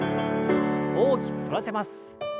大きく反らせます。